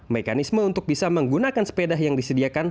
mekanisme untuk bisa menggunakan sepeda yang disediakan